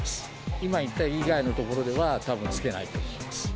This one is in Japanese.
今言った以外のところでは、たぶん着けないと思います。